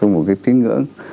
một cái tín ngưỡng